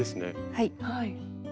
はい。